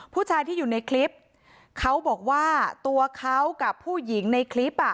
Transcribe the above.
ผู้ชายที่อยู่ในคลิปเขาบอกว่าตัวเขากับผู้หญิงในคลิปอ่ะ